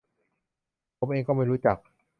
ผมเองก็ไม่รู้จัก